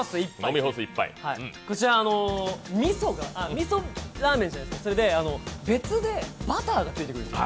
みそラーメンじゃないですか別でバターがついてくるんですよ。